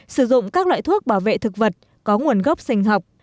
sử dụng các loại thuốc bảo vệ thực vật có nguồn gốc sinh học